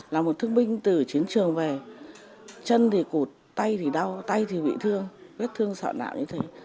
là một thương binh từ chiến trường về chân thì cụt tay thì đau tay thì bị thương vết thương sọn nạo như thế